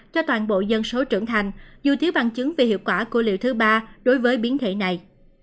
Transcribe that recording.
cho toàn bộ dân số trưởng thành dù thiếu bằng chứng về hiệu quả của liều thứ ba đối với biến thể này